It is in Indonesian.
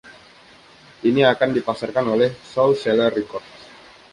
Ini akan dipasarkan oleh Soulseller Records.